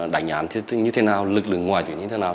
đánh án như thế nào lực lượng ngoài tuyến như thế nào